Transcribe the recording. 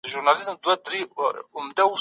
هغوی به خپل درسونه تکراروي.